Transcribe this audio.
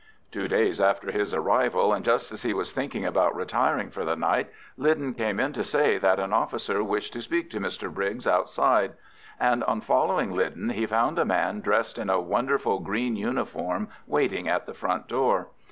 Two days after his arrival, and just as he was thinking about retiring for the night, Lyden came in to say that an officer wished to speak to Mr Briggs outside, and on following Lyden he found a man dressed in a wonderful green uniform waiting at the front door.